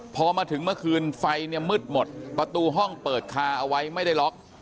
พอมาถึงเมื่อคืนไฟเนี่ยมืดหมดประตูห้องเปิดคาเอาไว้ไม่ได้ล็อก